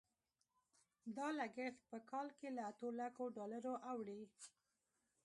دا لګښت په کال کې له اتو لکو ډالرو اوړي.